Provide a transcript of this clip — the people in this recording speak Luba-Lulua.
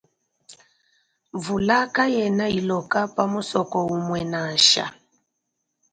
Mvula kayena iloka pa musoko umue nansha.